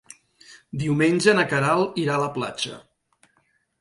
Diumenge na Queralt irà a la platja.